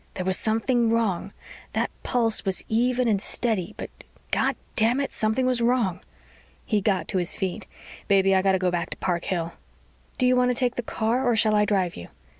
There was something wrong. That pulse was even and steady but, Goddamn it, something was wrong!" He got to his feet. "Baby I've got to go back to Park Hill." "Do you want to take the car or shall I drive you?"